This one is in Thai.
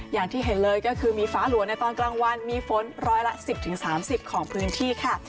อย่างที่เห็นเลยก็คือมีฟ้าหลัวในตอนกลางวันมีฝนร้อยละ๑๐๓๐ของพื้นที่ค่ะ